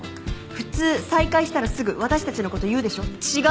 普通再会したらすぐ私たちのこと言うでしょ違う？